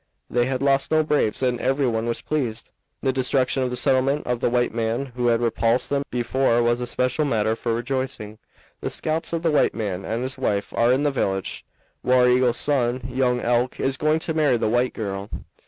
They had lost no braves and everyone was pleased. The destruction of the settlement of the white man who had repulsed them before was a special matter for rejoicing. The scalps of the white man and his wife are in the village. War Eagle's son, Young Elk, is going to marry the white girl.